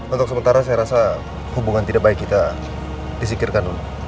untuk sementara saya rasa hubungan tidak baik kita disikirkan dulu